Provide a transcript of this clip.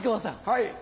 はい。